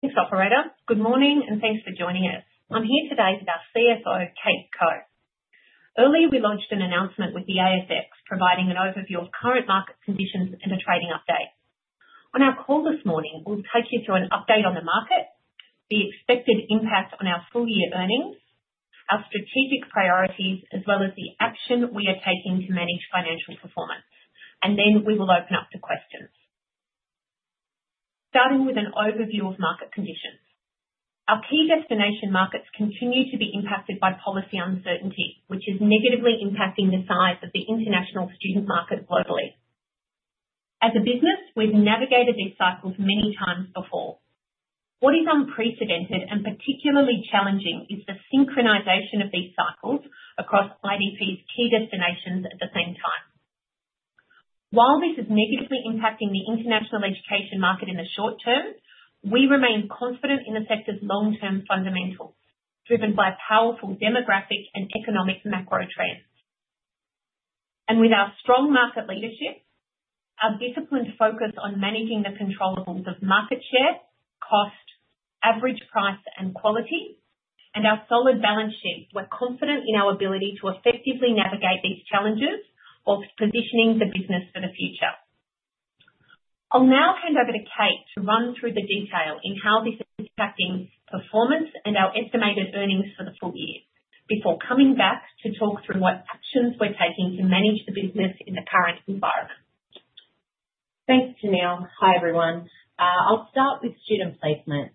Thanks, operator. Good morning and thanks for joining us. I'm here today with our CFO, Kate Koch. Earlier, we launched an announcement with the ASX, providing an overview of current market conditions and a trading update. On our call this morning, we'll take you through an update on the market, the expected impact on our full-year earnings, our strategic priorities, as well as the action we are taking to manage financial performance. We will open up to questions. Starting with an overview of market conditions, our key destination markets continue to be impacted by policy uncertainty, which is negatively impacting the size of the international student market globally. As a business, we've navigated these cycles many times before. What is unprecedented and particularly challenging is the synchronization of these cycles across IDP's key destinations at the same time. While this is negatively impacting the international education market in the short term, we remain confident in the sector's long-term fundamentals, driven by powerful demographic and economic macro trends. With our strong market leadership, our disciplined focus on managing the controllable of market share, cost, average price, and quality, and our solid balance sheet, we're confident in our ability to effectively navigate these challenges while positioning the business for the future. I'll now hand over to Kate to run through the detail in how this is impacting performance and our estimated earnings for the full year before coming back to talk through what actions we're taking to manage the business in the current environment. Thanks, Tennealle. Hi, everyone. I'll start with student placement.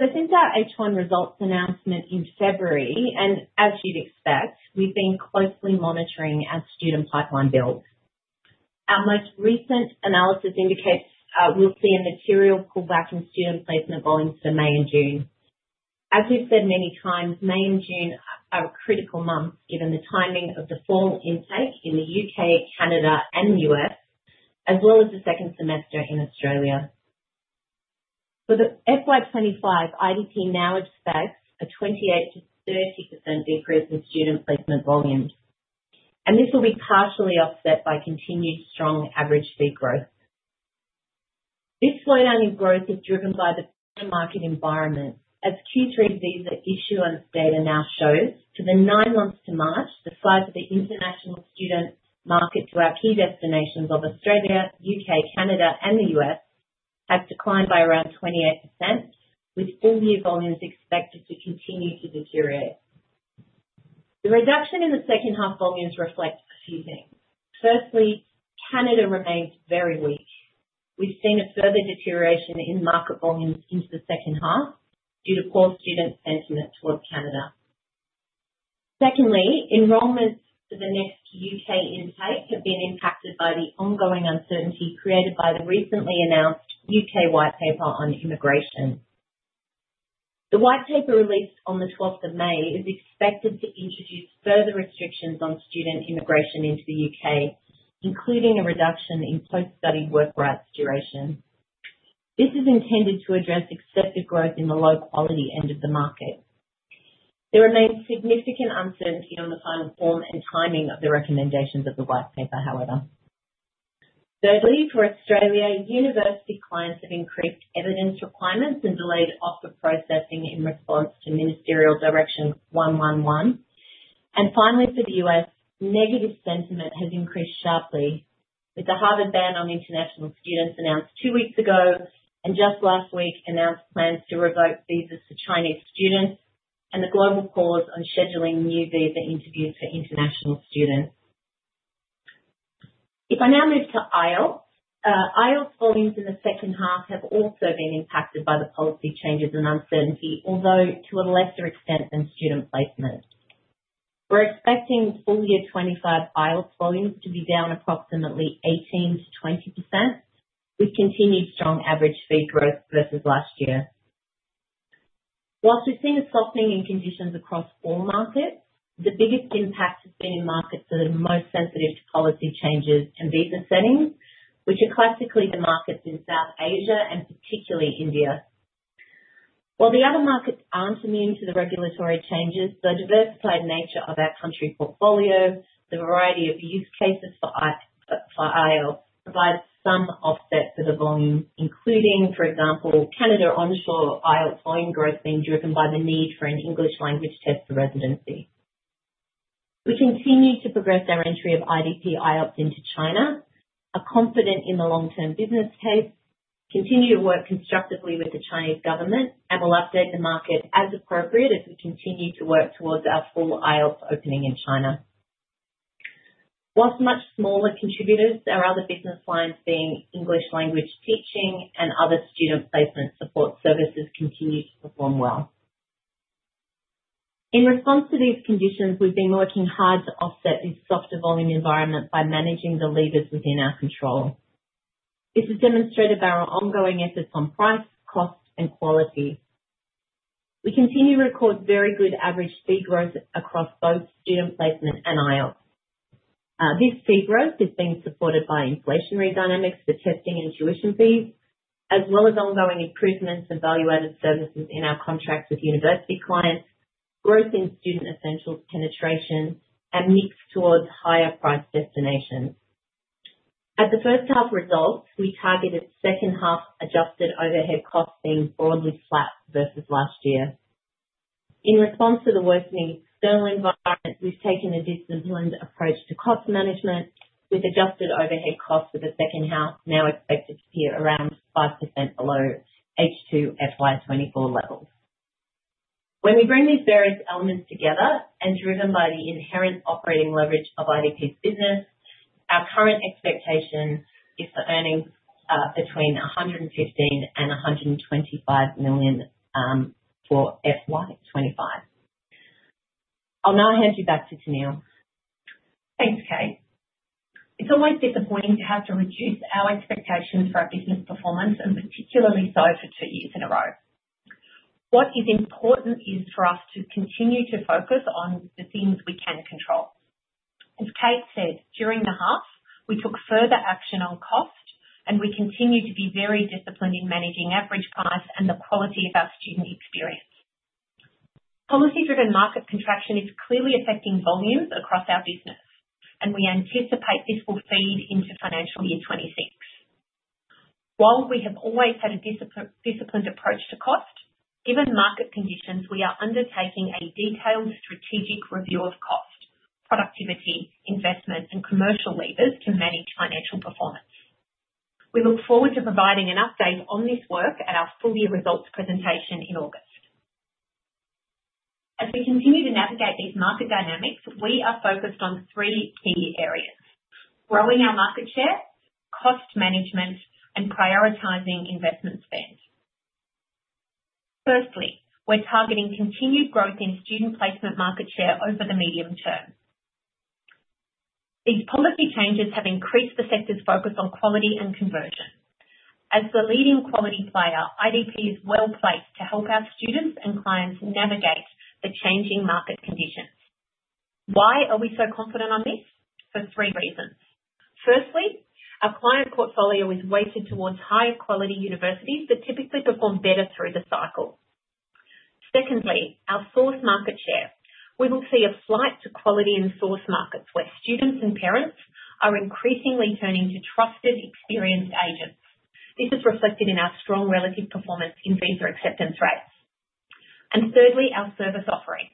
Since our H1 results announcement in February, and as you'd expect, we've been closely monitoring our student pipeline build. Our most recent analysis indicates we'll see a material pullback in student placement volumes for May and June. As we've said many times, May and June are critical months given the timing of the formal intake in the U.K., Canada, and U.S., as well as the second semester in Australia. For FY2025, IDP now expects a 28%-30% decrease in student placement volumes, and this will be partially offset by continued strong average fee growth. This slowdown in growth is driven by the market environment, as Q3 visa issuance data now shows. For the nine months to March, the size of the international student market to our key destinations of Australia, U.K., Canada, and the U.S. has declined by around 28%, with full-year volumes expected to continue to deteriorate. The reduction in the second half volumes reflects a few things. Firstly, Canada remains very weak. We've seen a further deterioration in market volumes into the second half due to poor student sentiment towards Canada. Secondly, enrollments for the next U.K. intake have been impacted by the ongoing uncertainty created by the recently announced U.K. white paper on immigration. The white paper released on the 12th of May is expected to introduce further restrictions on student immigration into the U.K., including a reduction in post-study work rights duration. This is intended to address excessive growth in the low-quality end of the market. There remains significant uncertainty on the final form and timing of the recommendations of the white paper, however. Thirdly, for Australia, university clients have increased evidence requirements and delayed offer processing in response to Ministerial Direction 111. Finally, for the U.S., negative sentiment has increased sharply, with the Harvard ban on international students announced two weeks ago and just last week announced plans to revoke visas for Chinese students and the global pause on scheduling new visa interviews for international students. If I now move to IELTS, IELTS volumes in the second half have also been impacted by the policy changes and uncertainty, although to a lesser extent than student placement. We are expecting full-year 2025 IELTS volumes to be down approximately 18%-20%, with continued strong av erage fee growth versus last year. Whilst we've seen a softening in conditions across all markets, the biggest impact has been in markets that are most sensitive to policy changes and visa settings, which are classically the markets in South Asia and particularly India. While the other markets aren't immune to the regulatory changes, the diversified nature of our country portfolio, the variety of use cases for IELTS provides some offset for the volume, including, for example, Canada onshore IELTS volume growth being driven by the need for an English language test for residency. We continue to progress our entry of IDP IELTS into China, are confident in the long-term business case, continue to work constructively with the Chinese government, and will update the market as appropriate as we continue to work towards our full IELTS opening in China. Whilst much smaller contributors are other business lines, being English language teaching and other student placement support services, continue to perform well. In response to these conditions, we've been working hard to offset this softer volume environment by managing the levers within our control. This is demonstrated by our ongoing efforts on price, cost, and quality. We continue to record very good average fee growth across both student placement and IELTS. This fee growth is being supported by inflationary dynamics for testing and tuition fees, as well as ongoing improvements in value-added services in our contracts with university clients, growth in student essentials penetration, and mix towards higher-priced destinations. At the first half results, we targeted second half adjusted overhead costs being broadly flat versus last year. In response to the worsening external environment, we've taken a disciplined approach to cost management, with adjusted overhead costs for the second half now expected to be around 5% below H2 FY2024 levels. When we bring these various elements together and driven by the inherent operating leverage of IDP's business, our current expectation is for earnings between $115 million and $125 million for FY2025. I'll now hand you back to Tennealle. Thanks, Kate. It's always disappointing to have to reduce our expectations for our business performance, and particularly so for two years in a row. What is important is for us to continue to focus on the things we can control. As Kate said, during the half, we took further action on cost, and we continue to be very disciplined in managing average price and the quality of our student experience. Policy-driven market contraction is clearly affecting volumes across our business, and we anticipate this will feed into financial year 2026. While we have always had a disciplined approach to cost, given market conditions, we are undertaking a detailed strategic review of cost, productivity, investment, and commercial levers to manage financial performance. We look forward to providing an update on this work at our full-year results presentation in August. As we continue to navigate these market dynamics, we are focused on three key areas: growing our market share, cost management, and prioritizing investment spend. Firstly, we're targeting continued growth in student placement market share over the medium term. These policy changes have increased the sector's focus on quality and conversion. As the leading quality player, IDP is well placed to help our students and clients navigate the changing market conditions. Why are we so confident on this? For three reasons. Firstly, our client portfolio is weighted towards higher quality universities that typically perform better through the cycle. Secondly, our source market share. We will see a flight to quality in source markets where students and parents are increasingly turning to trusted, experienced agents. This is reflected in our strong relative performance in visa acceptance rates. Thirdly, our service offering.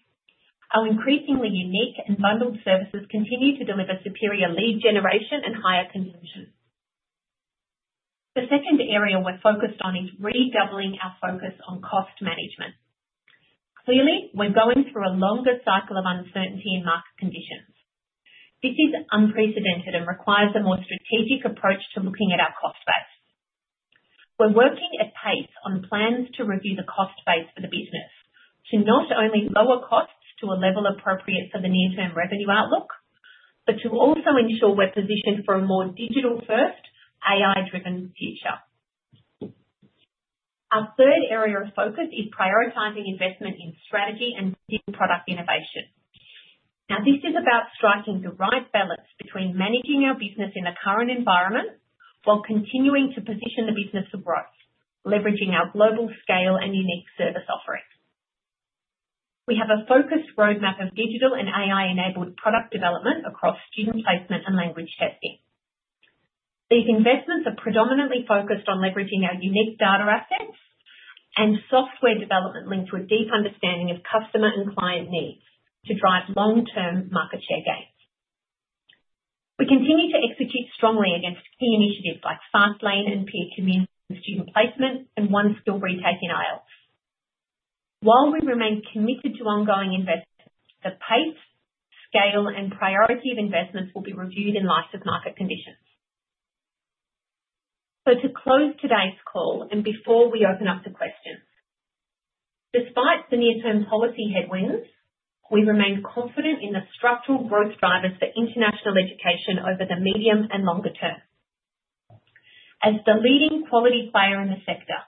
Our increasingly unique and bundled services continue to deliver superior lead generation and higher conversion. The second area we're focused on is redoubling our focus on cost management. Clearly, we're going through a longer cycle of uncertainty in market conditions. This is unprecedented and requires a more strategic approach to looking at our cost base. We're working at pace on plans to review the cost base for the business to not only lower costs to a level appropriate for the near-term revenue outlook, but to also ensure we're positioned for a more digital-first, AI-driven future. Our third area of focus is prioritizing investment in strategy and product innovation. Now, this is about striking the right balance between managing our business in the current environment while continuing to position the business for growth, leveraging our global scale and unique service offering. We have a focused roadmap of digital and AI-enabled product development across student placement and language testing. These investments are predominantly focused on leveraging our unique data assets and software development linked with deep understanding of customer and client needs to drive long-term market share gains. We continue to execute strongly against key initiatives like Fastlane and Peer Community student placement and OneSkill retake in IELTS. While we remain committed to ongoing investment, the pace, scale, and priority of investments will be reviewed in light of market conditions. To close today's call and before we open up to questions, despite the near-term policy headwinds, we remain confident in the structural growth drivers for international education over the medium and longer term. As the leading quality player in the sector,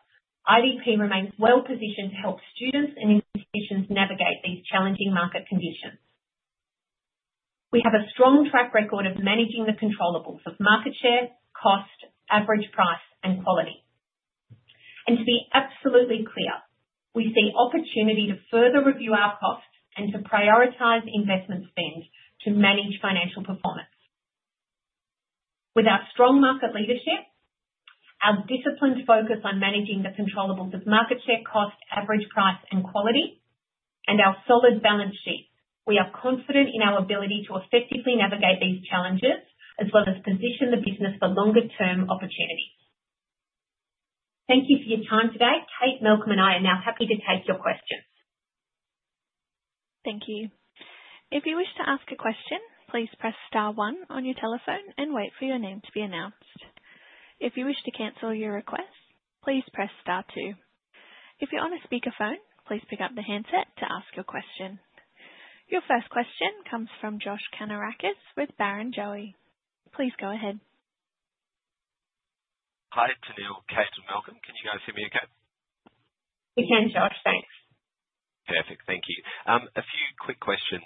IDP remains well positioned to help students and institutions navigate these challenging market conditions. We have a strong track record of managing the controllable of market share, cost, average price, and quality. To be absolutely clear, we see opportunity to further review our costs and to prioritize investment spend to manage financial performance. With our strong market leadership, our disciplined focus on managing the controllable of market share, cost, average price, and quality, and our solid balance sheet, we are confident in our ability to effectively navigate these challenges as well as position the business for longer-term opportunities. Thank you for your time today. Kate, Malcolm, and I are now happy to take your questions. Thank you. If you wish to ask a question, please press star one on your telephone and wait for your name to be announced. If you wish to cancel your request, please press star two. If you're on a speakerphone, please pick up the handset to ask your question. Your first question comes from Josh Kannourakis with Barrenjoey. Please go ahead. Hi, Tennealle, Kate, and Malcolm, can you guys hear me okay? We can, Josh. Thanks. Perfect. Thank you. A few quick questions.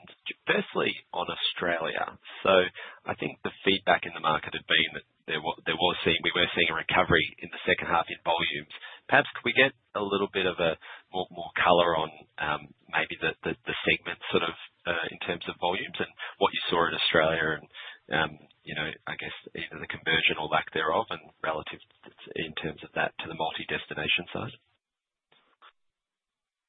Firstly, on Australia. I think the feedback in the market had been that we were seeing a recovery in the second half in volumes. Perhaps could we get a little bit more color on maybe the segment sort of in terms of volumes and what you saw in Australia and, I guess, either the conversion or lack thereof and relative in terms of that to the multi-destination side?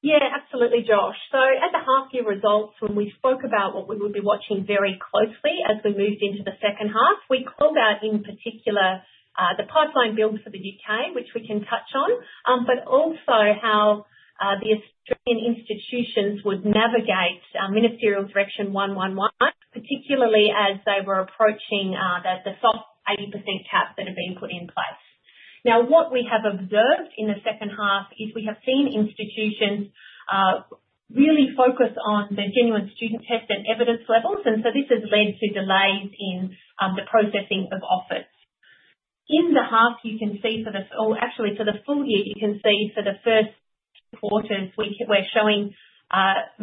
Yeah, absolutely, Josh. At the half-year results, when we spoke about what we would be watching very closely as we moved into the second half, we called out in particular the pipeline build for the U.K., which we can touch on, but also how the Australian institutions would navigate Ministerial Direction 111, particularly as they were approaching the soft 80% cap that had been put in place. Now, what we have observed in the second half is we have seen institutions really focus on the genuine student test and evidence levels, and this has led to delays in the processing of offers. In the half, you can see for the—or actually for the full year, you can see for the first quarters, we are showing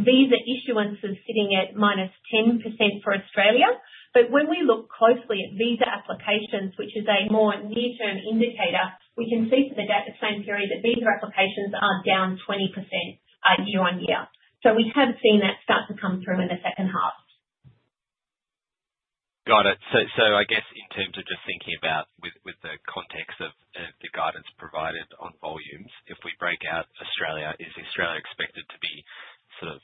visa issuances sitting at minus 10% for Australia. When we look closely at visa applications, which is a more near-term indicator, we can see for the same period that visa applications are down 20% year on year. We have seen that start to come through in the second half. Got it. I guess in terms of just thinking about with the context of the guidance provided on volumes, if we break out Australia, is Australia expected to be sort of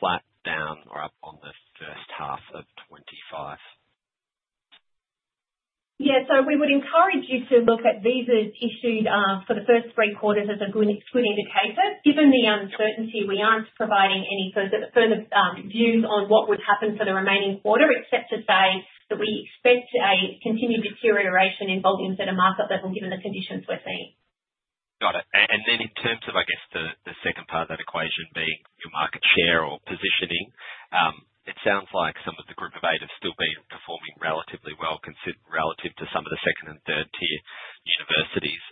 flat, down, or up on the first half of 2025? Yeah. We would encourage you to look at visas issued for the first three quarters as a good indicator. Given the uncertainty, we aren't providing any further views on what would happen for the remaining quarter, except to say that we expect a continued deterioration in volumes at a market level given the conditions we're seeing. Got it. In terms of, I guess, the second part of that equation being your market share or positioning, it sounds like some of the group of eight have still been performing relatively well relative to some of the second and third-tier universities.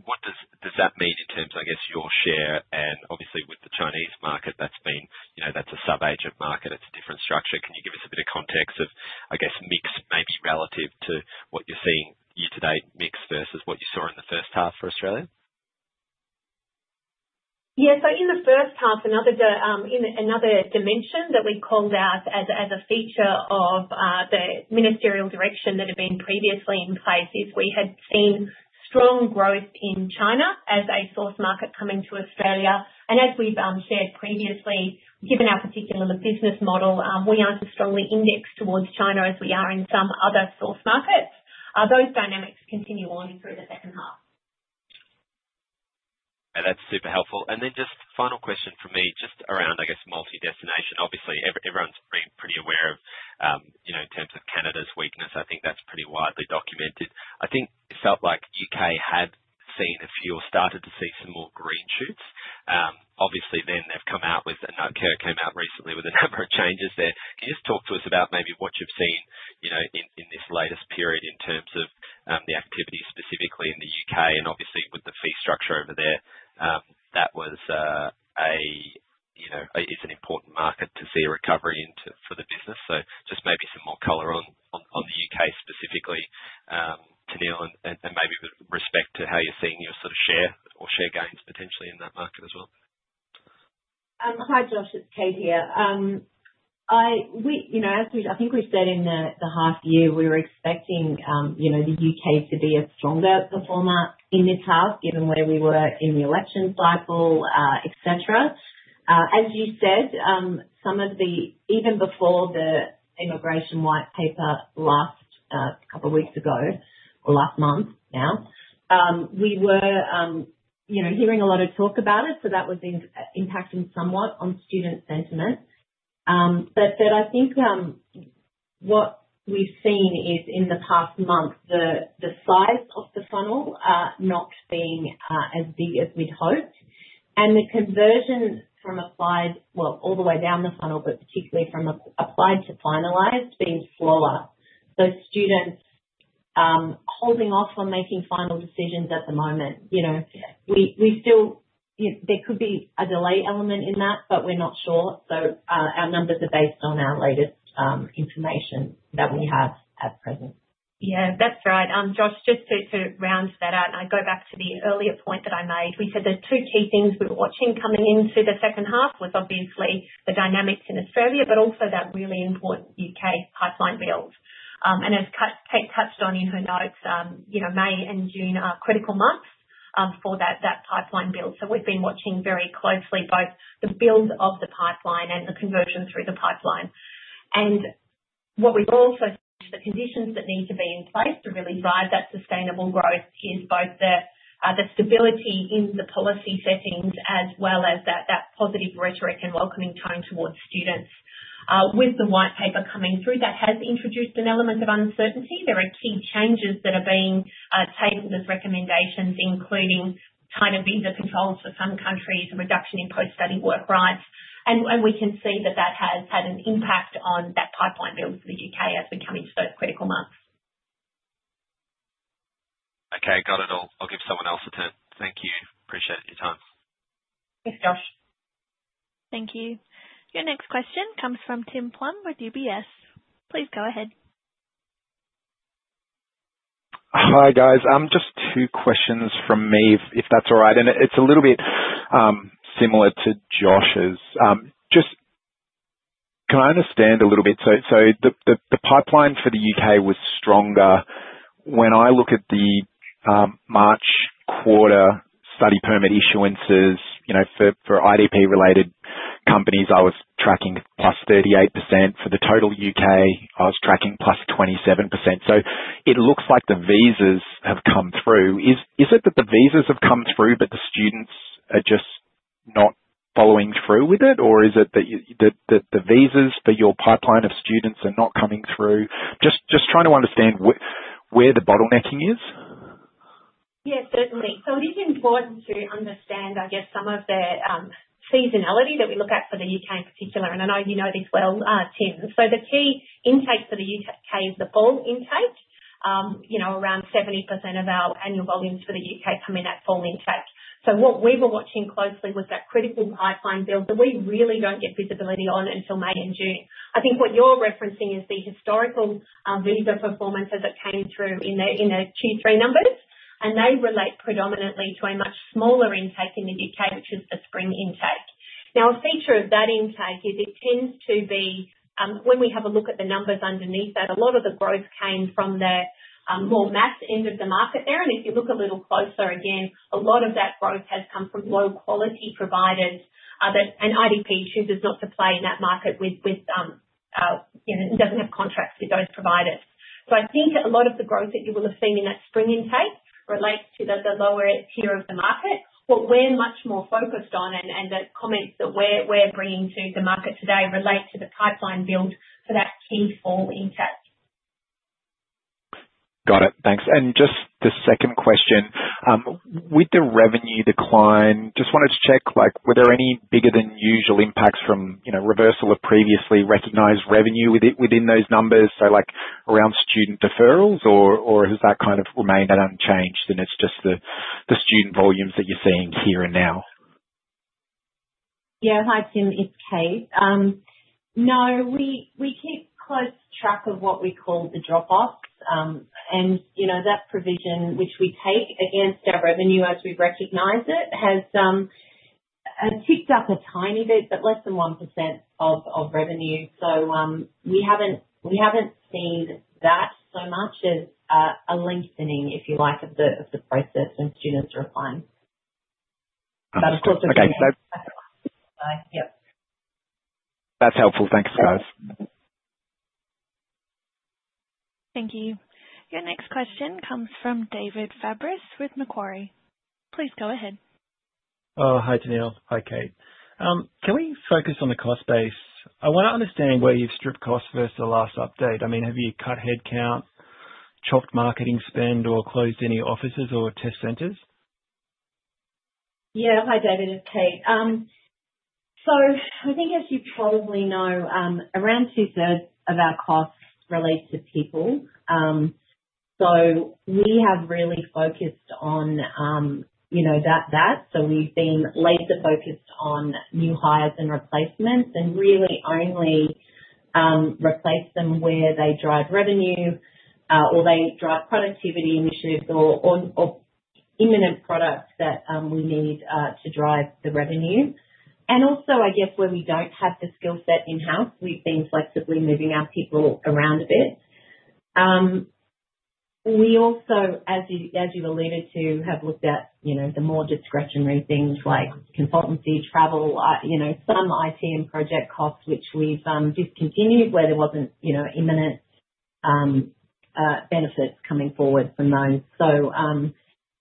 What does that mean in terms of, I guess, your share? Obviously, with the Chinese market, that's a sub-agent market. It's a different structure. Can you give us a bit of context of, I guess, mix maybe relative to what you're seeing year-to-date mix versus what you saw in the first half for Australia? Yeah. In the first half, another dimension that we called out as a feature of the ministerial direction that had been previously in place is we had seen strong growth in China as a source market coming to Australia. As we've shared previously, given our particular business model, we aren't as strongly indexed towards China as we are in some other source markets. Those dynamics continue on through the second half. That's super helpful. Just final question for me, just around, I guess, multi-destination. Obviously, everyone's been pretty aware of, in terms of Canada's weakness. I think that's pretty widely documented. I think it felt like U.K. had seen a few or started to see some more green shoots. Obviously, they came out recently with a number of changes there. Can you just talk to us about maybe what you've seen in this latest period in terms of the activity specifically in the U.K. and obviously with the fee structure over there? That is an important market to see a recovery in for the business. Just maybe some more color on the U.K. specifically, Tennealle, and maybe with respect to how you're seeing your sort of share or share gains potentially in that market as well. Hi, Josh. It's Kate here. As I think we said in the half year, we were expecting the U.K. to be a stronger performer in this half given where we were in the election cycle, etc. As you said, even before the immigration white paper last couple of weeks ago or last month now, we were hearing a lot of talk about it. That was impacting somewhat on student sentiment. I think what we've seen is in the past month, the size of the funnel not being as big as we'd hoped. The conversion from applied, well, all the way down the funnel, but particularly from applied to finalized, is being slower. Students are holding off on making final decisions at the moment. There could be a delay element in that, but we're not sure. Our numbers are based on our latest information that we have at present. Yeah, that's right. Josh, just to round that out and I go back to the earlier point that I made. We said the two key things we were watching coming into the second half was obviously the dynamics in Australia, but also that really important U.K. pipeline build. As Kate touched on in her notes, May and June are critical months for that pipeline build. We have been watching very closely both the build of the pipeline and the conversion through the pipeline. What we have also seen is the conditions that need to be in place to really drive that sustainable growth is both the stability in the policy settings as well as that positive rhetoric and welcoming tone towards students. With the white paper coming through, that has introduced an element of uncertainty. There are key changes that are being tabled as recommendations, including tighter visa controls for some countries, a reduction in post-study work rights. We can see that that has had an impact on that pipeline build for the U.K. as we come into those critical months. Okay. Got it all. I'll give someone else a turn. Thank you. Appreciate your time. Thanks, Josh. Thank you. Your next question comes from Tim Plum with UBS. Please go ahead. Hi, guys. Just two questions from me, if that's all right. It's a little bit similar to Josh's. Just can I understand a little bit? The pipeline for the U.K. was stronger. When I look at the March quarter study permit issuances for IDP-related companies, I was tracking plus 38%. For the total U.K., I was tracking plus 27%. It looks like the visas have come through. Is it that the visas have come through, but the students are just not following through with it? Or is it that the visas for your pipeline of students are not coming through? Just trying to understand where the bottlenecking is. Yeah, certainly. It is important to understand, I guess, some of the seasonality that we look at for the U.K. in particular. I know you know this well, Tim. The key intake for the U.K. is the fall intake. Around 70% of our annual volumes for the U.K. come in that fall intake. What we were watching closely was that critical pipeline build that we really do not get visibility on until May and June. I think what you are referencing is the historical visa performances that came through in the Q3 numbers, and they relate predominantly to a much smaller intake in the U.K., which is the spring intake. Now, a feature of that intake is it tends to be, when we have a look at the numbers underneath that, a lot of the growth came from the more mass end of the market there. If you look a little closer again, a lot of that growth has come from low-quality providers and IDP chooses not to play in that market with and does not have contracts with those providers. I think a lot of the growth that you will have seen in that spring intake relates to the lower tier of the market. We are much more focused on, and the comments that we are bringing to the market today relate to the pipeline build for that key fall intake. Got it. Thanks. Just the second question. With the revenue decline, just wanted to check, were there any bigger-than-usual impacts from reversal of previously recognized revenue within those numbers? Around student deferrals, or has that kind of remained unchanged and it's just the student volumes that you're seeing here and now? Yeah. Hi, Tim. It's Kate. No, we keep close track of what we call the drop-offs. That provision, which we take against our revenue as we recognize it, has ticked up a tiny bit, but less than 1% of revenue. We have not seen that so much as a lengthening, if you like, of the process when students are applying. Of course, we have seen that. Okay. So. That's helpful. That's helpful. Thanks, guys. Thank you. Your next question comes from David Fabris with Macquarie. Please go ahead. Hi, Tennealle. Hi, Kate. Can we focus on the cost base? I want to understand where you've stripped costs versus the last update. I mean, have you cut headcount, chopped marketing spend, or closed any offices or test centers? Yeah. Hi, David. It's Kate. I think, as you probably know, around two-thirds of our costs relate to people. We have really focused on that. We have been laser-focused on new hires and replacements and really only replace them where they drive revenue or they drive productivity initiatives or imminent products that we need to drive the revenue. Also, I guess, where we do not have the skill set in-house, we have been flexibly moving our people around a bit. We also, as you have alluded to, have looked at the more discretionary things like consultancy, travel, some IT and project costs, which we have discontinued where there was not imminent benefits coming forward from those.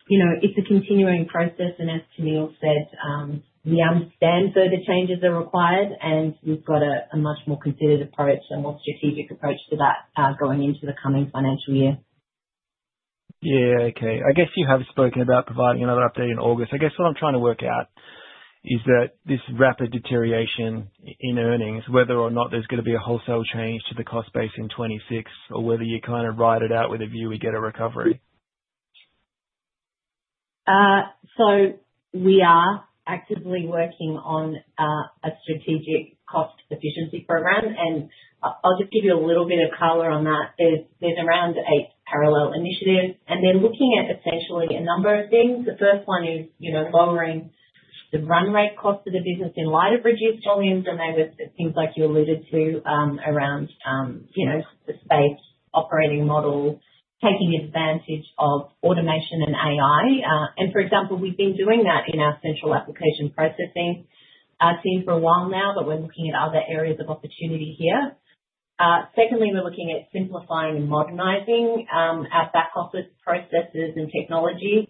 It is a continuing process. As Tennealle said, we understand further changes are required, and we have got a much more considered approach and more strategic approach to that going into the coming financial year. Yeah. Okay. I guess you have spoken about providing another update in August. I guess what I'm trying to work out is that this rapid deterioration in earnings, whether or not there's going to be a wholesale change to the cost base in 2026, or whether you kind of ride it out with a view we get a recovery. We are actively working on a strategic cost efficiency program. I'll just give you a little bit of color on that. There are around eight parallel initiatives, and they're looking at essentially a number of things. The first one is lowering the run rate costs of the business in light of reduced volumes, and they were things like you alluded to around the space operating model, taking advantage of automation and AI. For example, we've been doing that in our central application processing. It's been for a while now, but we're looking at other areas of opportunity here. Secondly, we're looking at simplifying and modernizing our back-office processes and technology.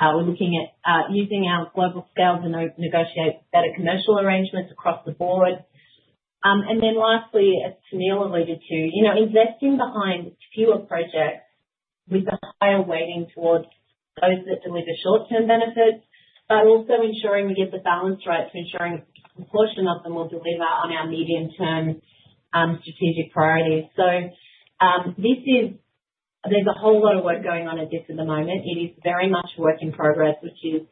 We're looking at using our global scales and negotiating better commercial arrangements across the board. Lastly, as Tennealle alluded to, investing behind fewer projects with a higher weighting towards those that deliver short-term benefits, but also ensuring we get the balance right to ensuring a portion of them will deliver on our medium-term strategic priorities. There is a whole lot of work going on at this at the moment. It is very much a work in progress, which is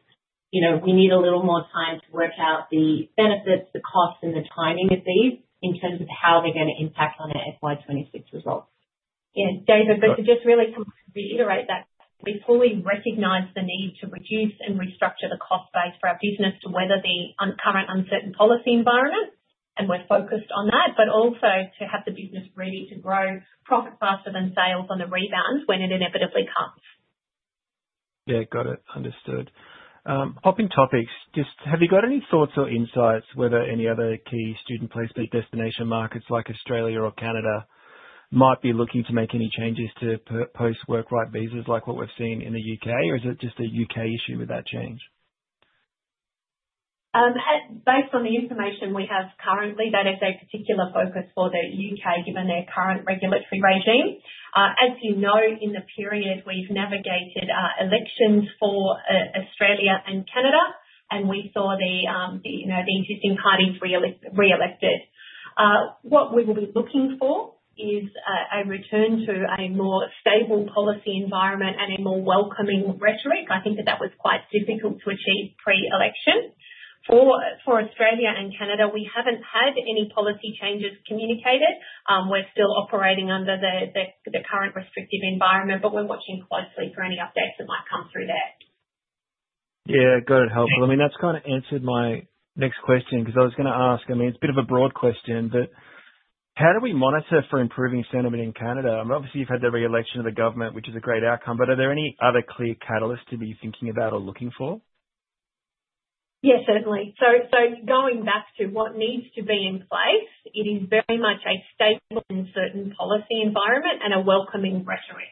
we need a little more time to work out the benefits, the costs, and the timing of these in terms of how they're going to impact on our FY2026 results. Yeah. David, but to just really reiterate that we fully recognize the need to reduce and restructure the cost base for our business to weather the current uncertain policy environment, and we're focused on that, but also to have the business ready to grow profit faster than sales on the rebound when it inevitably comes. Yeah. Got it. Understood. Hopping topics, just have you got any thoughts or insights whether any other key student place-based destination markets like Australia or Canada might be looking to make any changes to post-work right visas like what we've seen in the U.K., or is it just a U.K. issue with that change? Based on the information we have currently, that is a particular focus for the U.K. given their current regulatory regime. As you know, in the period, we've navigated elections for Australia and Canada, and we saw the existing parties reelected. What we will be looking for is a return to a more stable policy environment and a more welcoming rhetoric. I think that that was quite difficult to achieve pre-election. For Australia and Canada, we haven't had any policy changes communicated. We're still operating under the current restrictive environment, but we're watching closely for any updates that might come through there. Yeah. Got it, helpful. I mean, that's kind of answered my next question because I was going to ask—I mean, it's a bit of a broad question—how do we monitor for improving sentiment in Canada? I mean, obviously, you've had the reelection of the government, which is a great outcome, but are there any other clear catalysts to be thinking about or looking for? Yeah, certainly. Going back to what needs to be in place, it is very much a stable and certain policy environment and a welcoming rhetoric.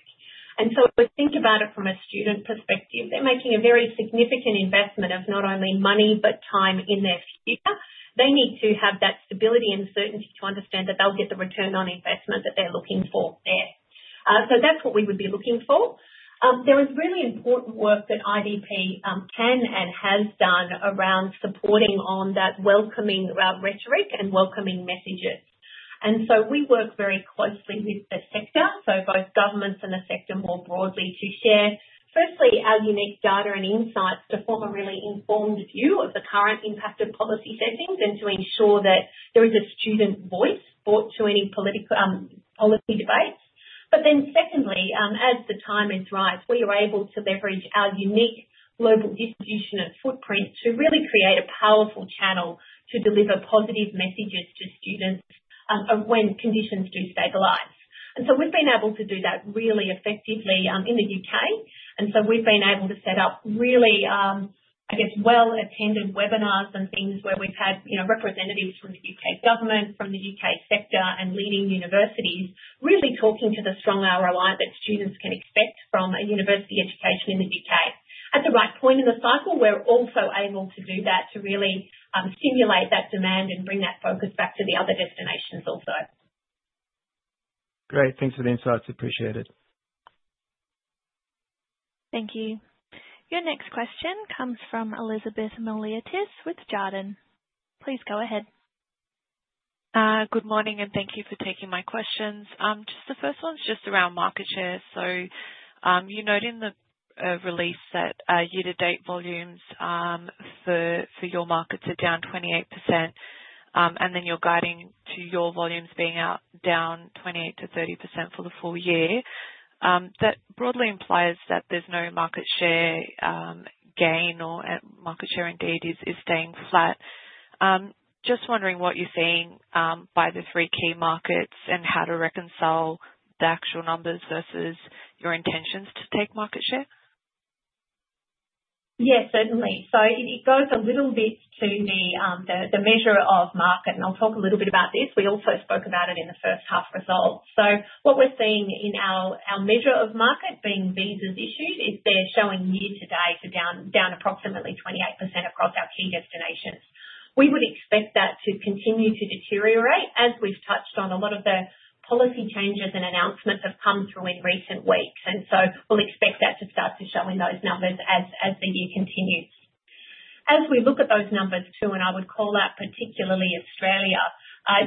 If we think about it from a student perspective, they're making a very significant investment of not only money but time in their future. They need to have that stability and certainty to understand that they'll get the return on investment that they're looking for there. That's what we would be looking for. There is really important work that IDP can and has done around supporting on that welcoming rhetoric and welcoming messages. We work very closely with the sector, so both governments and the sector more broadly, to share, firstly, our unique data and insights to form a really informed view of the current impact of policy settings and to ensure that there is a student voice brought to any policy debates. Secondly, as the time is right, we are able to leverage our unique global distribution and footprint to really create a powerful channel to deliver positive messages to students when conditions do stabilize. We have been able to do that really effectively in the U.K. We have been able to set up really, I guess, well-attended webinars and things where we have had representatives from the U.K. government, from the U.K. sector, and leading universities really talking to the strong ROI that students can expect from a university education in the U.K. At the right point in the cycle, we're also able to do that to really stimulate that demand and bring that focus back to the other destinations also. Great. Thanks for the insights. Appreciate it. Thank you. Your next question comes from Elizabeth Miliatis with Jarden. Please go ahead. Good morning, and thank you for taking my questions. Just the first one's just around market shares. You note in the release that year-to-date volumes for your markets are down 28%, and then you're guiding to your volumes being down 28%-30% for the full year. That broadly implies that there's no market share gain or market share indeed is staying flat. Just wondering what you're seeing by the three key markets and how to reconcile the actual numbers versus your intentions to take market share? Yeah, certainly. It goes a little bit to the measure of market, and I'll talk a little bit about this. We also spoke about it in the first half results. What we're seeing in our measure of market being visas issued is they're showing year-to-date down approximately 28% across our key destinations. We would expect that to continue to deteriorate as we've touched on. A lot of the policy changes and announcements have come through in recent weeks, and we expect that to start to show in those numbers as the year continues. As we look at those numbers too, and I would call out particularly Australia,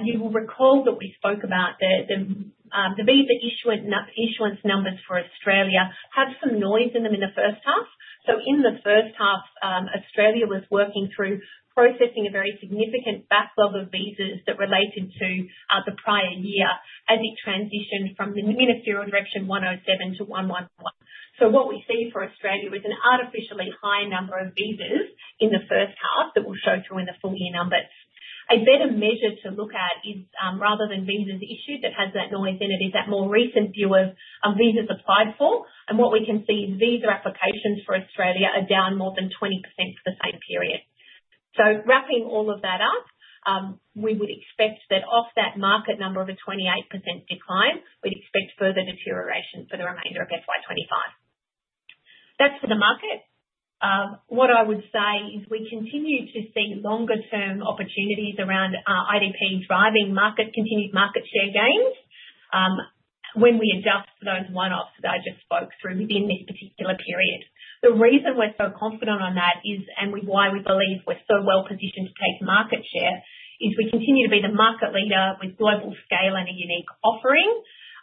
you will recall that we spoke about the visa issuance numbers for Australia had some noise in them in the first half. In the first half, Australia was working through processing a very significant backlog of visas that related to the prior year as it transitioned from Ministerial Direction 107 to 111. What we see for Australia is an artificially high number of visas in the first half that will show through in the full year numbers. A better measure to look at, rather than visas issued that has that noise in it, is that more recent view of visas applied for. What we can see is visa applications for Australia are down more than 20% for the same period. Wrapping all of that up, we would expect that off that market number of a 28% decline, we would expect further deterioration for the remainder of FY2025. That is for the market. What I would say is we continue to see longer-term opportunities around IDP driving continued market share gains when we adjust for those one-offs that I just spoke through within this particular period. The reason we're so confident on that is, and why we believe we're so well-positioned to take market share, is we continue to be the market leader with global scale and a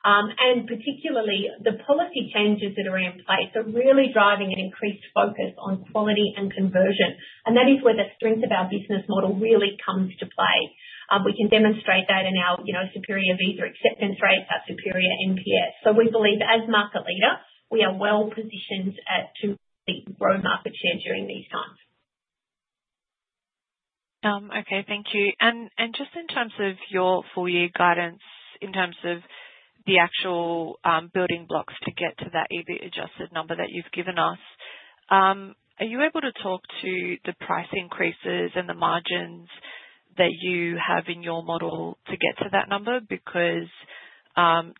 unique offering. Particularly, the policy changes that are in place are really driving an increased focus on quality and conversion. That is where the strength of our business model really comes to play. We can demonstrate that in our superior visa acceptance rates, our superior NPS. We believe as market leader, we are well-positioned to grow market share during these times. Okay. Thank you. Just in terms of your full year guidance, in terms of the actual building blocks to get to that EBIT adjusted number that you've given us, are you able to talk to the price increases and the margins that you have in your model to get to that number? Because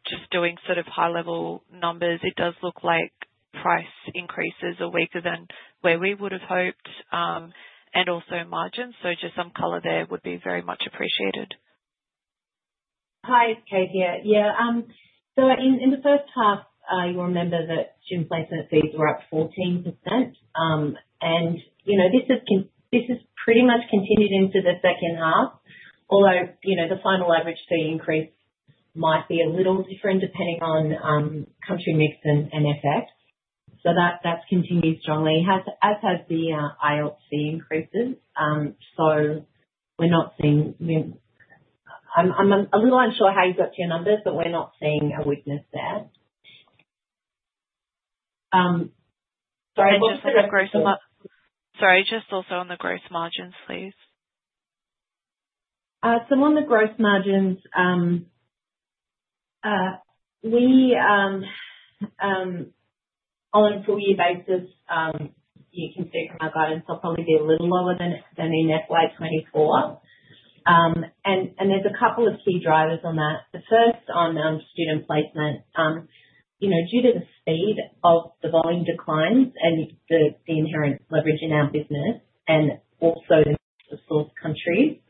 just doing sort of high-level numbers, it does look like price increases are weaker than where we would have hoped, and also margins. Just some color there would be very much appreciated. Hi, Kate. Yeah. In the first half, you remember that student placement fees were up 14%. This has pretty much continued into the second half, although the final average fee increase might be a little different depending on country mix and FX. That has continued strongly, as have the IELTS fee increases. I'm a little unsure how you got to your numbers, but we're not seeing a weakness there. Sorry, just on the gross margins. Sorry. Just also on the gross margins, please. On the gross margins, on a full-year basis, you can see from our guidance, they'll probably be a little lower than in FY2024. There are a couple of key drivers on that. The first on student placement, due to the speed of the volume declines and the inherent leverage in our business and also the source country,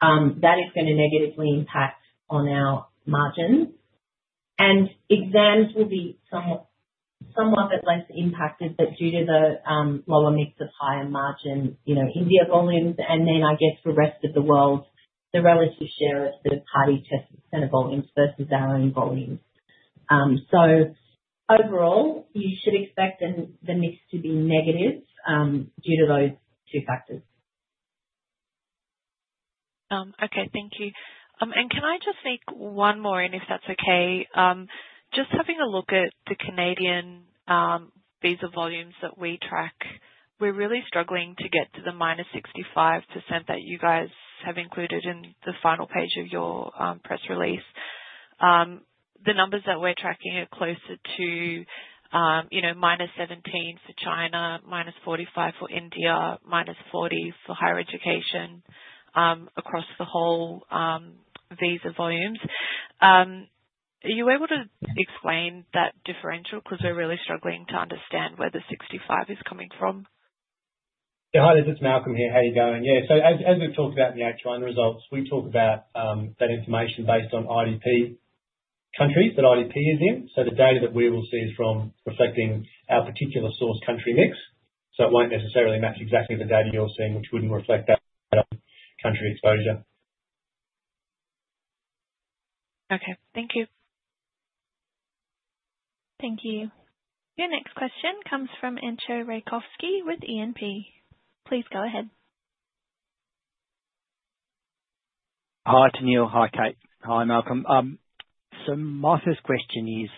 that is going to negatively impact on our margins. Exams will be somewhat less impacted, but due to the lower mix of higher margin India volumes, and then I guess the rest of the world, the relative share of the party test center volumes versus our own volumes. Overall, you should expect the mix to be negative due to those two factors. Okay. Thank you. Can I just make one more in, if that's okay? Just having a look at the Canadian visa volumes that we track, we're really struggling to get to the minus 65% that you guys have included in the final page of your press release. The numbers that we're tracking are closer to minus 17% for China, minus 45% for India, minus 40% for higher education across the whole visa volumes. Are you able to explain that differential? Because we're really struggling to understand where the 65% is coming from. Yeah. Hi, this is Malcolm here. How are you going? Yeah. As we've talked about in the H1 results, we talk about that information based on IDP countries that IDP is in. The data that we will see is reflecting our particular source country mix. It won't necessarily match exactly the data you're seeing, which wouldn't reflect that country exposure. Okay. Thank you. Thank you. Your next question comes from Encho Rakovsky with E&P. Please go ahead. Hi, Tennealle. Hi, Kate. Hi, Malcolm. So my first question is,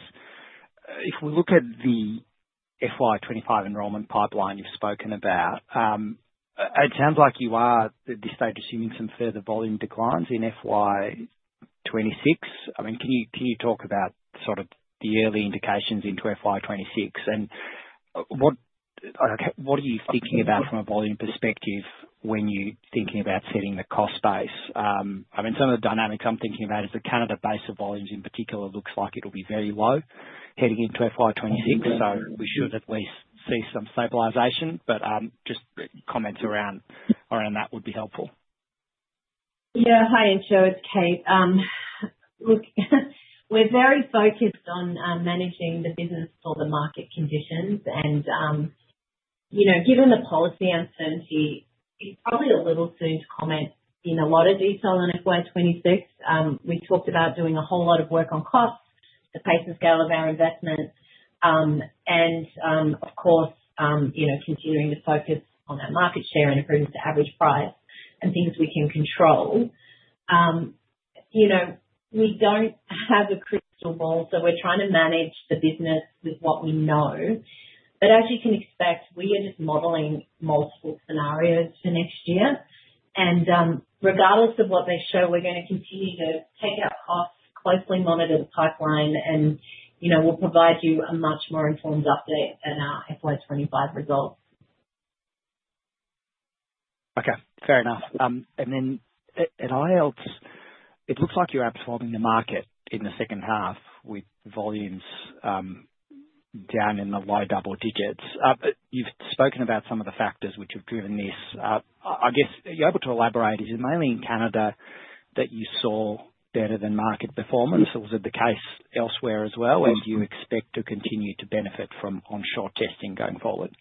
if we look at the FY25 enrollment pipeline you've spoken about, it sounds like you are at this stage assuming some further volume declines in FY26. I mean, can you talk about sort of the early indications into FY26? And what are you thinking about from a volume perspective when you're thinking about setting the cost base? I mean, some of the dynamics I'm thinking about is the Canada base of volumes in particular looks like it'll be very low heading into FY26. So we should at least see some stabilization. But just comments around that would be helpful. Yeah. Hi, Encho. It's Kate. Look, we're very focused on managing the business for the market conditions. Given the policy uncertainty, it's probably a little soon to comment in a lot of detail on FY2026. We talked about doing a whole lot of work on costs, the pace and scale of our investment, and of course, continuing to focus on our market share and improving the average price and things we can control. We do not have a crystal ball, so we're trying to manage the business with what we know. As you can expect, we are just modeling multiple scenarios for next year. Regardless of what they show, we're going to continue to take our costs, closely monitor the pipeline, and we'll provide you a much more informed update than our FY2025 results. Okay. Fair enough. At IELTS, it looks like you're outperforming the market in the second half with volumes down in the low double digits. You've spoken about some of the factors which have driven this. I guess you're able to elaborate, is it mainly in Canada that you saw better than market performance? Was it the case elsewhere as well, and do you expect to continue to benefit from onshore testing going forward?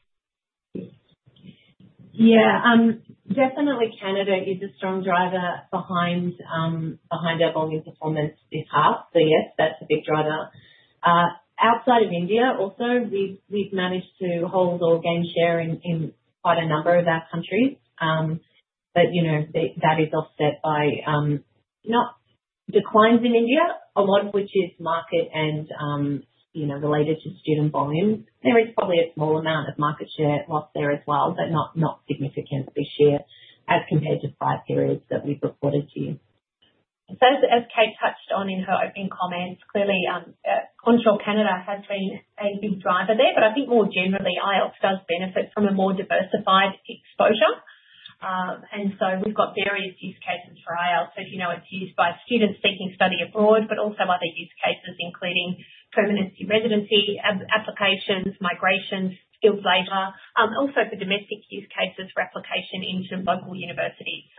Yeah. Definitely, Canada is a strong driver behind our volume performance this half. Yes, that's a big driver. Outside of India, also, we've managed to hold or gain share in quite a number of our countries. That is offset by not declines in India, a lot of which is market and related to student volumes. There is probably a small amount of market share loss there as well, but not significant this year as compared to prior periods that we've reported to you. As Kate touched on in her opening comments, clearly, onshore Canada has been a big driver there. I think more generally, IELTS does benefit from a more diversified exposure. We've got various use cases for IELTS. As you know, it's used by students seeking study abroad, but also other use cases including permanency residency applications, migrations, skilled labor, also for domestic use cases for application into local universities.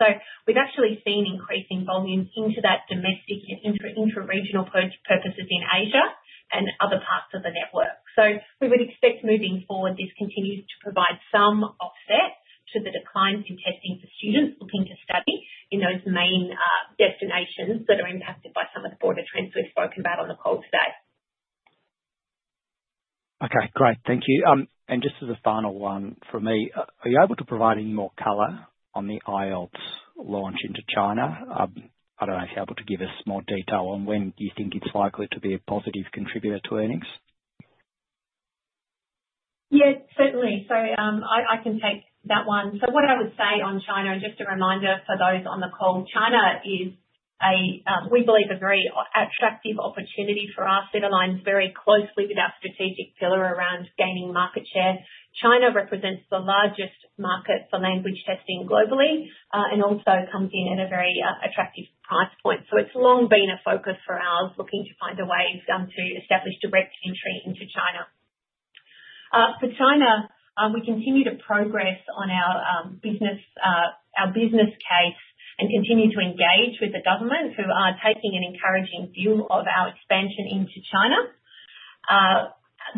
We have actually seen increasing volume into that domestic and intra-regional purposes in Asia and other parts of the network. We would expect moving forward, this continues to provide some offset to the declines in testing for students looking to study in those main destinations that are impacted by some of the border trends we have spoken about on the call today. Okay. Great. Thank you. Just as a final one for me, are you able to provide any more color on the IELTS launch into China? I do not know if you are able to give us more detail on when you think it is likely to be a positive contributor to earnings. Yes, certainly. I can take that one. What I would say on China, and just a reminder for those on the call, China is, we believe, a very attractive opportunity for us. It aligns very closely with our strategic pillar around gaining market share. China represents the largest market for language testing globally and also comes in at a very attractive price point. It has long been a focus for us looking to find a way to establish direct entry into China. For China, we continue to progress on our business case and continue to engage with the government who are taking an encouraging view of our expansion into China.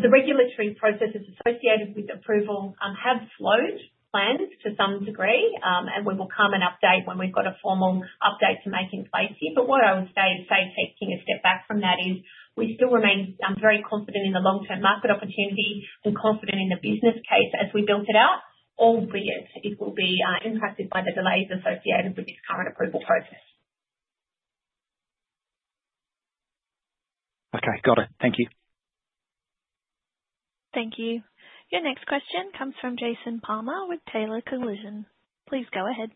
The regulatory processes associated with approval have slowed plans to some degree, and we will come and update when we've got a formal update to make in place here. What I would say, say taking a step back from that, is we still remain very confident in the long-term market opportunity and confident in the business case as we built it out. Albeit, it will be impacted by the delays associated with this current approval process. Okay. Got it. Thank you. Thank you. Your next question comes from Jason Palmer with Taylor Collison. Please go ahead.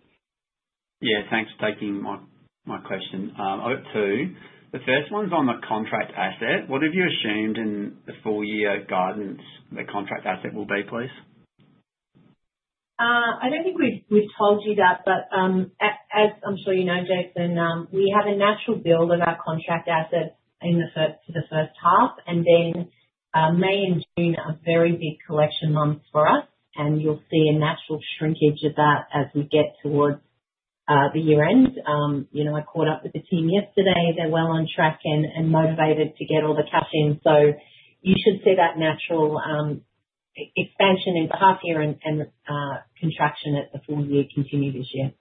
Yeah. Thanks for taking my question. I've got two. The first one's on the contract asset. What have you assumed in the full-year guidance the contract asset will be, please? I don't think we've told you that, but as I'm sure you know, Jason, we have a natural build of our contract asset in the first half. May and June are very big collection months for us, and you'll see a natural shrinkage of that as we get towards the year-end. I caught up with the team yesterday. They're well on track and motivated to get all the cash in. You should see that natural expansion in the half-year and contraction at the full-year continue this year.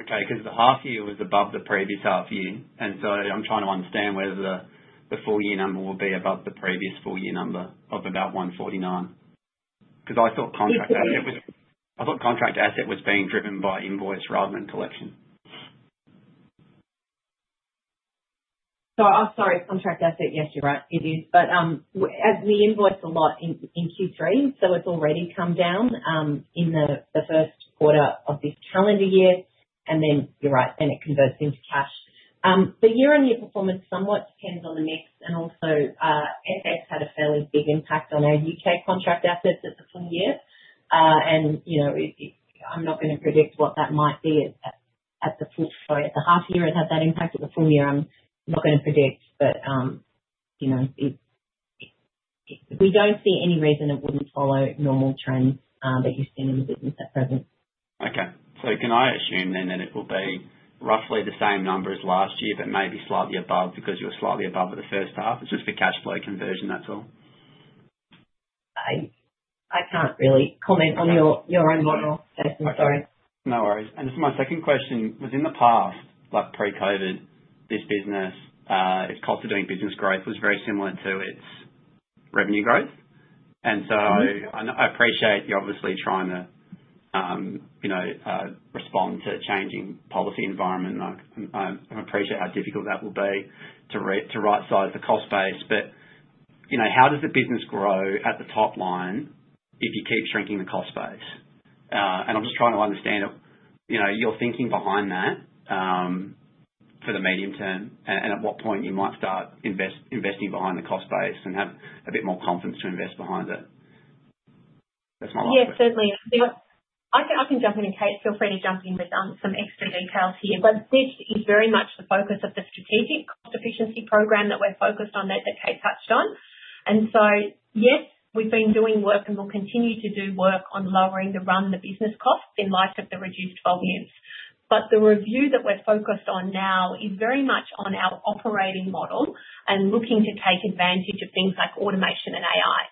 Okay. Because the half-year was above the previous half-year. I'm trying to understand whether the full-year number will be above the previous full-year number of about 149. I thought contract asset was being driven by invoice rather than collection. Sorry. Contract asset, yes, you're right. It is. We invoice a lot in Q3, so it's already come down in the first quarter of this calendar year. You're right, it converts into cash. The year-on-year performance somewhat depends on the mix. Also, FX had a fairly big impact on our U.K. contract assets at the full year. I'm not going to predict what that might be at the half year and have that impact at the full year. I'm not going to predict, but we don't see any reason it wouldn't follow normal trends that you've seen in the business at present. Okay. So can I assume then that it will be roughly the same number as last year, but maybe slightly above because you were slightly above at the first half? It's just the cash flow conversion, that's all. I can't really comment on your own model, Jason. Sorry. No worries. This is my second question. Was in the past, like pre-COVID, this business, its cost of doing business growth was very similar to its revenue growth. I appreciate you're obviously trying to respond to a changing policy environment. I appreciate how difficult that will be to right-size the cost base. How does the business grow at the top line if you keep shrinking the cost base? I'm just trying to understand your thinking behind that for the medium term and at what point you might start investing behind the cost base and have a bit more confidence to invest behind it. That's my last question. Yes, certainly. I can jump in, and Kate, feel free to jump in with some extra details here. This is very much the focus of the strategic cost efficiency program that we're focused on that Kate touched on. Yes, we've been doing work, and we'll continue to do work on lowering the run of the business costs in light of the reduced volumes. The review that we're focused on now is very much on our operating model and looking to take advantage of things like automation and AI.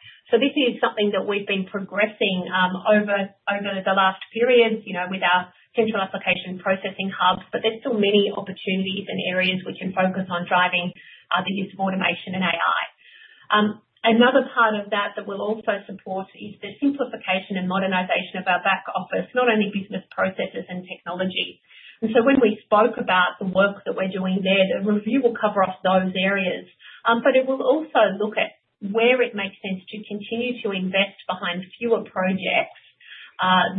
This is something that we've been progressing over the last period with our central application processing hubs. There are still many opportunities and areas we can focus on driving the use of automation and AI. Another part of that that we'll also support is the simplification and modernization of our back office, not only business processes and technology. When we spoke about the work that we're doing there, the review will cover off those areas. It will also look at where it makes sense to continue to invest behind fewer projects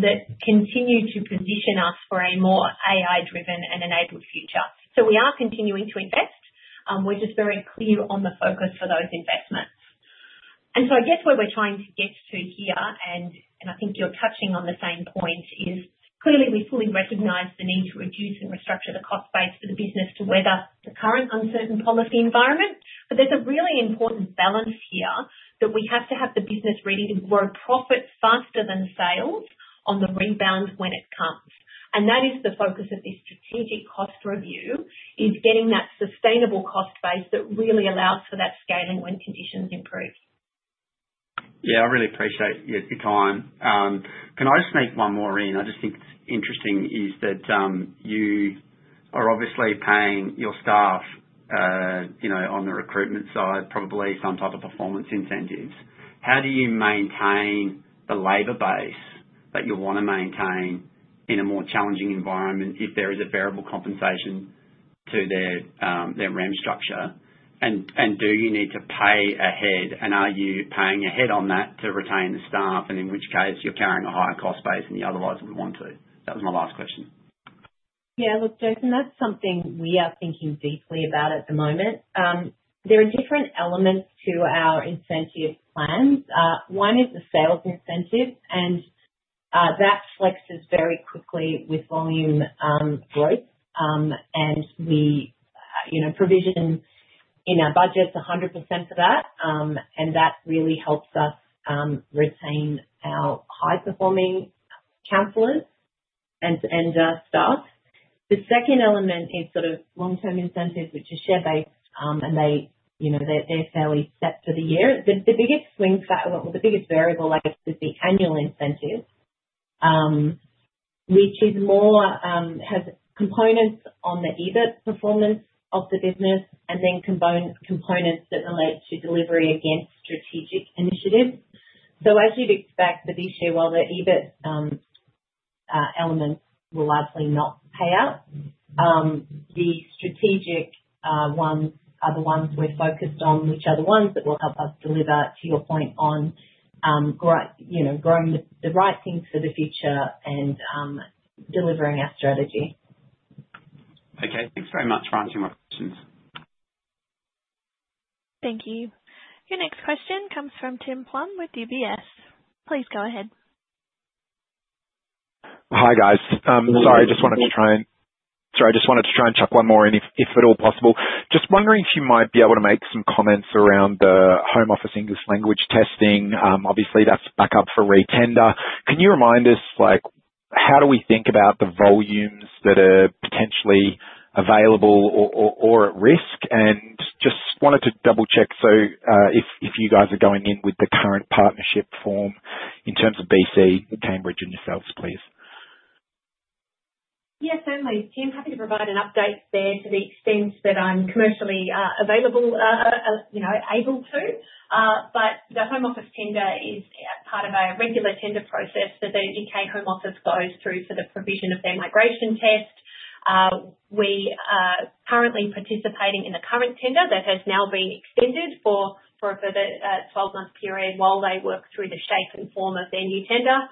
that continue to position us for a more AI-driven and enabled future. We are continuing to invest. We're just very clear on the focus for those investments. I guess where we're trying to get to here, and I think you're touching on the same point, is clearly we fully recognize the need to reduce and restructure the cost base for the business to weather the current uncertain policy environment. There is a really important balance here that we have to have the business ready to grow profits faster than sales on the rebound when it comes. That is the focus of this strategic cost review, getting that sustainable cost base that really allows for that scaling when conditions improve. Yeah. I really appreciate your time. Can I just sneak one more in? I just think it's interesting is that you are obviously paying your staff on the recruitment side, probably some type of performance incentives. How do you maintain the labor base that you want to maintain in a more challenging environment if there is a variable compensation to their REM structure? Do you need to pay ahead? Are you paying ahead on that to retain the staff? In which case, you're carrying a higher cost base than you otherwise would want to. That was my last question. Yeah. Look, Jason, that's something we are thinking deeply about at the moment. There are different elements to our incentive plans. One is the sales incentive, and that flexes very quickly with volume growth. We provision in our budgets 100% for that. That really helps us retain our high-performing counsellors and staff. The second element is sort of long-term incentives, which are share-based, and they're fairly set for the year. The biggest swing factor, or the biggest variable, I guess, is the annual incentive, which has components on the EBIT performance of the business and then components that relate to delivery against strategic initiatives. As you'd expect, for this year, while the EBIT elements will likely not pay out, the strategic ones are the ones we're focused on, which are the ones that will help us deliver, to your point, on growing the right things for the future and delivering our strategy. Okay. Thanks very much for answering my questions. Thank you. Your next question comes from Tim Plum with UBS. Please go ahead. Hi, guys. Sorry, I just wanted to try and chuck one more in, if at all possible. Just wondering if you might be able to make some comments around the Home Office English language testing. Obviously, that's back up for re-tender. Can you remind us, how do we think about the volumes that are potentially available or at risk? Just wanted to double-check, if you guys are going in with the current partnership form in terms of British Council, Cambridge and yourselves, please. Yes, certainly. Tim, happy to provide an update there to the extent that I'm commercially available, able to. The Home Office tender is part of a regular tender process that the U.K. Home Office goes through for the provision of their migration test. We are currently participating in the current tender that has now been extended for a further 12-month period while they work through the shape and form of their new tender.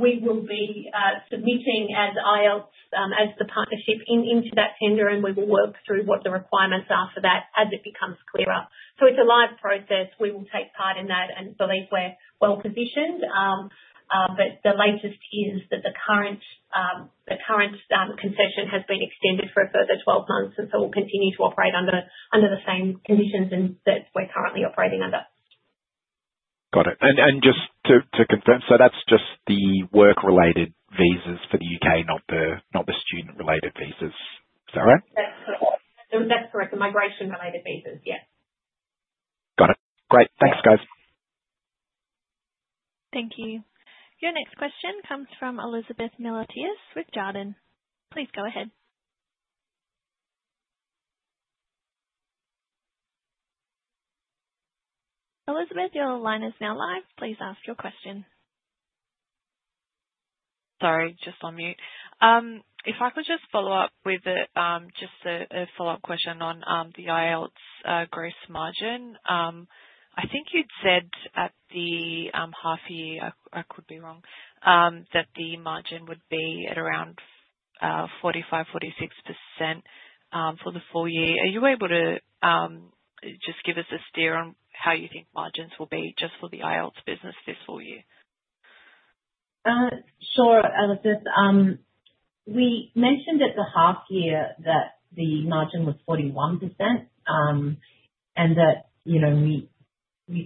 We will be submitting as IELTS, as the partnership, into that tender, and we will work through what the requirements are for that as it becomes clearer. It is a live process. We will take part in that and believe we're well positioned. The latest is that the current concession has been extended for a further 12 months, and we will continue to operate under the same conditions that we're currently operating under. Got it. Just to confirm, that's just the work-related visas for the U.K., not the student-related visas. Is that right? That's correct. The migration-related visas, yes. Got it. Great. Thanks, guys. Thank you. Your next question comes from Elizabeth Miliatis with Jarden. Please go ahead. Elizabeth, your line is now live. Please ask your question. Sorry, just on mute. If I could just follow up with just a follow-up question on the IELTS gross margin. I think you'd said at the half-year—I could be wrong—that the margin would be at around 45%-46% for the full year. Are you able to just give us a steer on how you think margins will be just for the IELTS business this full year? Sure, Elizabeth. We mentioned at the half-year that the margin was 41% and that we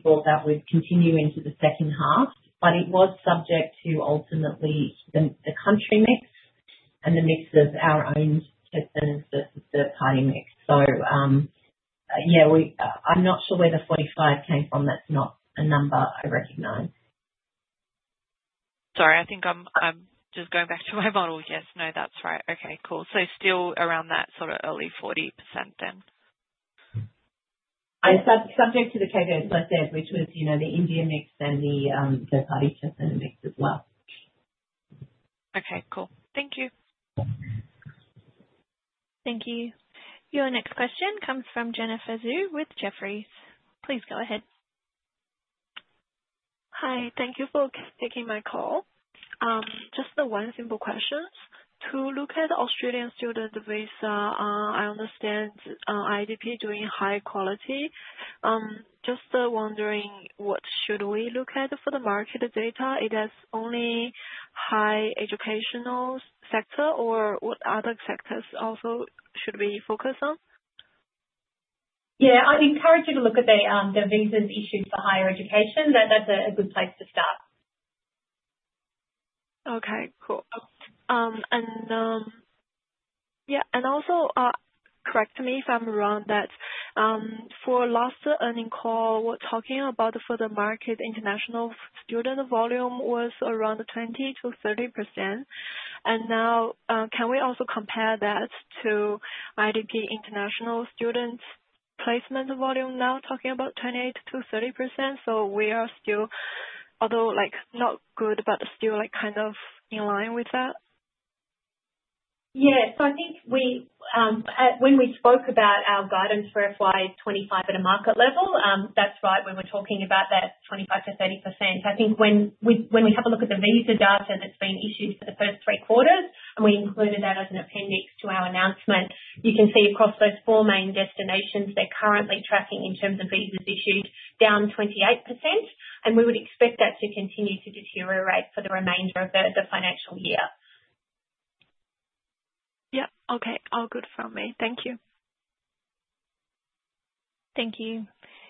thought that would continue into the second half. It was subject to ultimately the country mix and the mix of our own test centers versus third-party mix. Yeah, I'm not sure where the 45% came from. That's not a number I recognize. Sorry, I think I'm just going back to my model. Yes. No, that's right. Okay. Cool. Still around that sort of early 40% then? Subject to the KBOS, I said, which was the India mix and the third-party test center mix as well. Okay. Cool. Thank you. Thank you. Your next question comes from Jennifer Xu with Jefferies. Please go ahead. Hi. Thank you for taking my call. Just the one simple question. To look at Australian student visa, I understand IDP doing high quality. Just wondering what should we look at for the market data? It has only high educational sector, or what other sectors also should we focus on? Yeah. I'd encourage you to look at the visas issued for higher education. That's a good place to start. Okay. Cool. Yeah. Also, correct me if I'm wrong, that for last earning call, we're talking about for the market, international student volume was around 20%-30%. Now, can we also compare that to IDP international student placement volume now, talking about 28%-30%? We are still, although not good, but still kind of in line with that? Yes. I think when we spoke about our guidance for FY 2025 at a market level, that's right. We were talking about that 25%-30%. I think when we have a look at the visa data that's been issued for the first three quarters, and we included that as an appendix to our announcement, you can see across those four main destinations, they're currently tracking in terms of visas issued down 28%. We would expect that to continue to deteriorate for the remainder of the financial year. Yep. Okay. All good from me. Thank you. Thank you.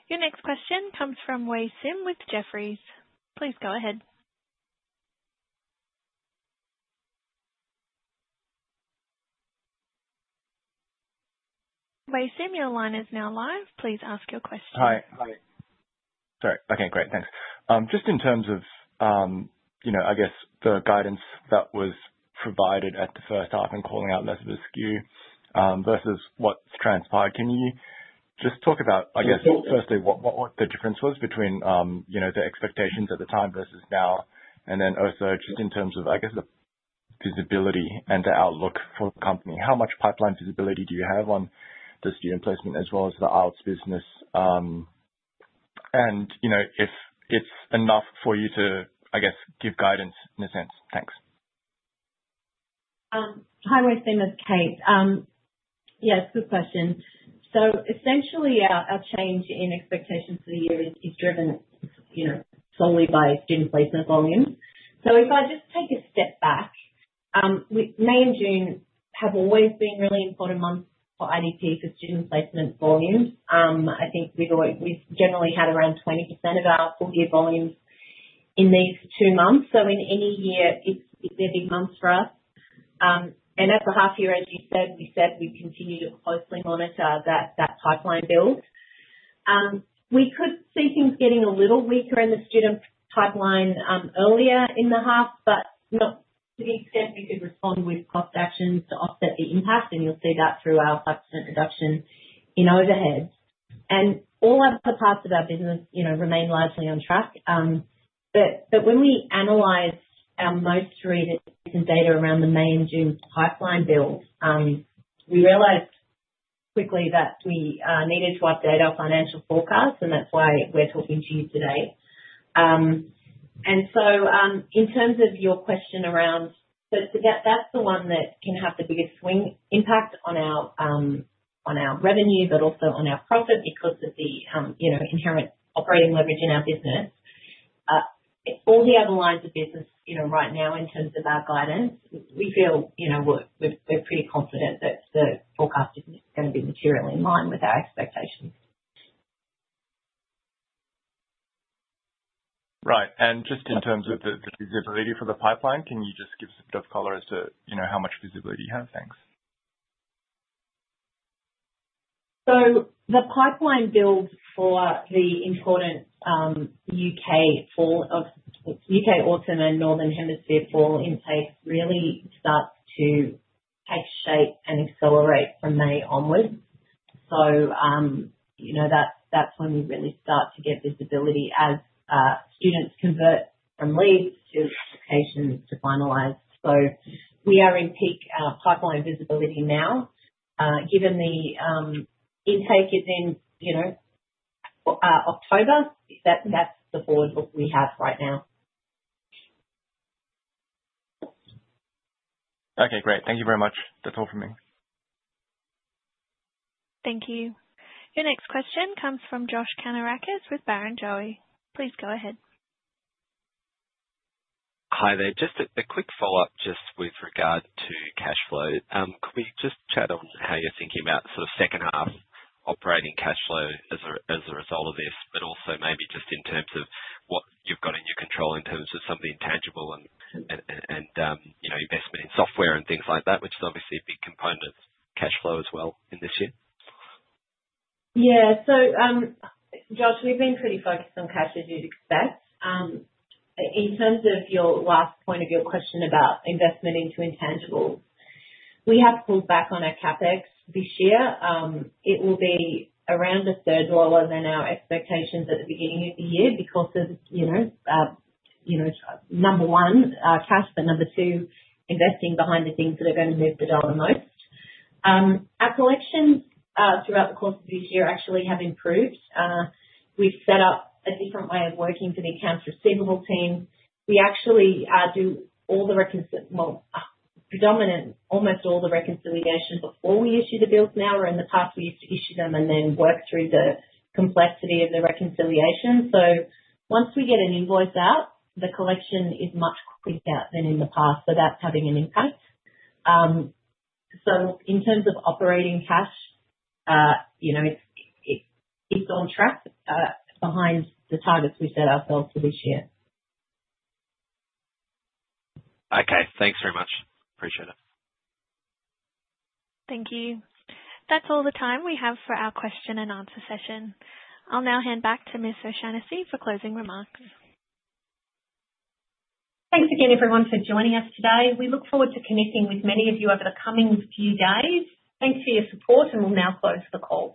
Your next question comes from ZheWei Sim with Jefferies. Please go ahead. Wei Sim, your line is now live. Please ask your question. Hi. Sorry. Okay. Great. Thanks. Just in terms of, I guess, the guidance that was provided at the first half and calling out less of a skew versus what has transpired, can you just talk about, I guess, firstly, what the difference was between the expectations at the time versus now? Also, just in terms of, I guess, the visibility and the outlook for the company, how much pipeline visibility do you have on the student placement as well as the IELTS business? If it is enough for you to, I guess, give guidance in a sense. Thanks. Hi. My name is Kate. Yes, good question. Essentially, our change in expectations for the year is driven solely by student placement volumes. If I just take a step back, May and June have always been really important months for IDP for student placement volumes. I think we've generally had around 20% of our full-year volumes in these two months. In any year, it's a big month for us. As the half-year, as you said, we said we continue to closely monitor that pipeline build. We could see things getting a little weaker in the student pipeline earlier in the half, but not to the extent we could respond with cost actions to offset the impact. You'll see that through our subsequent reduction in overheads. All other parts of our business remain largely on track. When we analysed our most recent data around the May and June pipeline build, we realised quickly that we needed to update our financial forecast, and that's why we're talking to you today. In terms of your question around, that's the one that can have the biggest swing impact on our revenue, but also on our profit because of the inherent operating leverage in our business. All the other lines of business right now, in terms of our guidance, we feel we're pretty confident that the forecast is going to be materially in line with our expectations. Right. In terms of the visibility for the pipeline, can you just give some bit of color as to how much visibility you have? Thanks. The pipeline build for the important U.K. autumn and northern hemisphere fall intake really starts to take shape and accelerate from May onwards. That is when we really start to get visibility as students convert from leads to applications to finalise. We are in peak pipeline visibility now. Given the intake is in October, that is the forward look we have right now. Okay. Great. Thank you very much. That's all from me. Thank you. Your next question comes from Josh Kannourakis with Barrenjoey. Please go ahead. Hi there. Just a quick follow-up just with regard to cash flow. Could we just chat on how you're thinking about sort of second half operating cash flow as a result of this, but also maybe just in terms of what you've got in your control in terms of some of the intangible and investment in software and things like that, which is obviously a big component of cash flow as well in this year? Yeah. Josh, we've been pretty focused on cash, as you'd expect. In terms of your last point of your question about investment into intangibles, we have pulled back on our CapEx this year. It will be around a third lower than our expectations at the beginning of the year because of, number one, our cash, but number two, investing behind the things that are going to move the dollar most. Our collections throughout the course of this year actually have improved. We've set up a different way of working for the accounts receivable team. We actually do all the, well, predominantly almost all the reconciliation before we issue the bills now. Where in the past, we used to issue them and then work through the complexity of the reconciliation. Once we get an invoice out, the collection is much quicker than in the past, so that's having an impact. In terms of operating cash, it's on track behind the targets we set ourselves for this year. Okay. Thanks very much. Appreciate it. Thank you. That's all the time we have for our question and answer session. I'll now hand back to Ms. O'Shannessy for closing remarks. Thanks again, everyone, for joining us today. We look forward to connecting with many of you over the coming few days. Thanks for your support, and we'll now close the call.